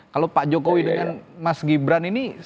kalau pak jokowi dengan mas gibran ini